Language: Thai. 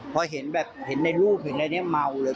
พอเห็นแบบหลูกเห็นแบบนี้เมาเลย